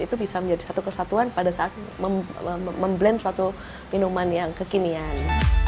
itu bisa menjadi satu kesatuan pada saat memblend suatu minuman yang kekinian